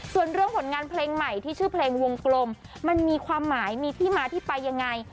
ส่วนเรื่องผลงานเพลงใหม่ที่ชื่อเพลงวงกลมมันมีความหมายมีที่มาที่ไปยังไง